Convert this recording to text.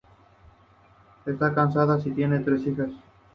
Está casada y tiene tres hijas.